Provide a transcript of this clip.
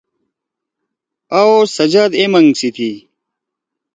آ او سجاد اے مَنگ سی تھی۔